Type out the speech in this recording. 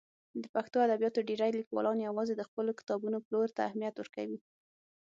د پښتو ادبیاتو ډېری لیکوالان یوازې د خپلو کتابونو پلور ته اهمیت ورکوي.